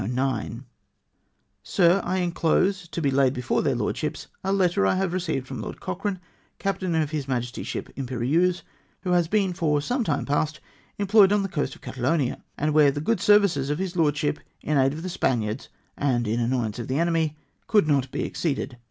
"Sir, — I inclose — to be laid before tbeir Lordships — a letter I have received from Lord Cochrane, captain of his Majesty's ship Imperieuse, who has been for some time past employed on the coast of Catalonia, and where the good services of his lordship in aid of the Spaniards and in annoy ance of the enemy could not be exceeded.